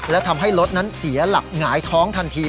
และทำให้รถนั้นเสียหลักหงายท้องทันที